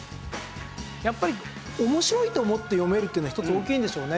やっぱり面白いと思って読めるっていうのは１つ大きいんでしょうね。